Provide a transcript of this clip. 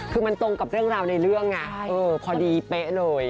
คือมันตรงกับเรื่องราวในเรื่องไงพอดีเป๊ะเลย